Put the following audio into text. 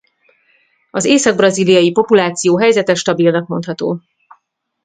Az észak-brazíliai populáció helyzete stabilnak mondható.